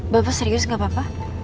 bapak serius gak apa apa